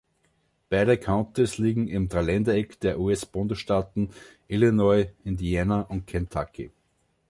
Beide Countys liegen im Dreiländereck der US-Bundesstaaten Illinois, Indiana und Kentucky.